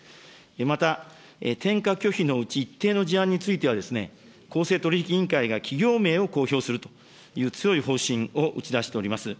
また転嫁拒否の一定の事案については、公正取引委員会が企業名を公表するという強い方針を打ち出しております。